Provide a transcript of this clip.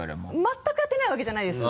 全くやってないわけじゃないです。